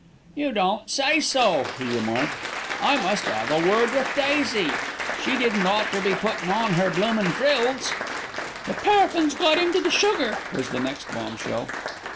"You don't say so," he remarked. "I must 'ave a word with Daisy. She didn't oughter be puttin' on 'er bloomin' frills." "The paraffin's got into the sugar," was the next bombshell.